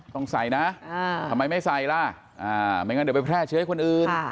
ต้องใส่นะทำไมไม่ใส่ล่ะไม่งั้นเดี๋ยวไปแพร่เชื้อให้คนอื่น